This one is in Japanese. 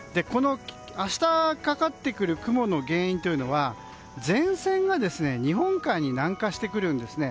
明日かかってくる雲の原因は前線が日本海に南下してくるんですね。